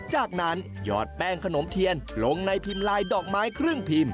จากนั้นหยอดแป้งขนมเทียนลงในพิมพ์ลายดอกไม้ครึ่งพิมพ์